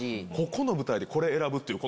ここの舞台でこれ選ぶっていう。